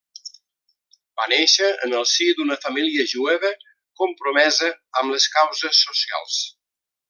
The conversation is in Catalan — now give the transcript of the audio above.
Va néixer en el si d'una família jueva compromesa amb les causes socials.